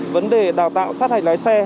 vấn đề đào tạo sát hành lái xe